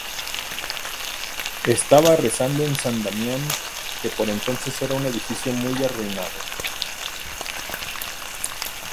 Estaba rezando en San Damián que por entonces era un edificio muy arruinado.